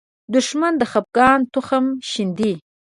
دښمن د خپګان تخم شیندي